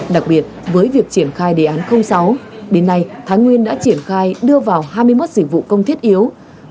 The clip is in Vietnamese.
đặc biệt với việc triển khai đề án sáu đến nay thái nguyên đã triển khai đưa vào hai mươi một dịch vụ công thiết yếu